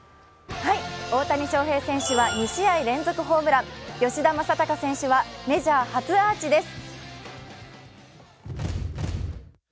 大谷翔平選手は２試合連続ホームラン、吉田正尚選手はメジャー初アーチです。